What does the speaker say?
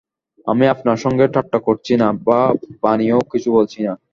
আমি আপনার সঙ্গে ঠাট্টা করছি না বা বানিয়েও কিছু বলছি না।